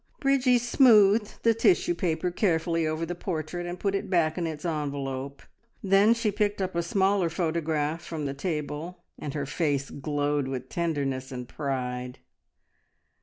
Bridgie smoothed the tissue paper carefully over the portrait and put it back in its envelope. Then she picked up a smaller photograph from the table, and her face glowed with tenderness and pride.